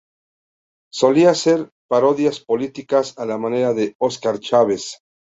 Solía hacer parodias políticas, a la manera de Óscar Chávez.